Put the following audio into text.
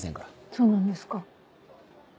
そうなんですか。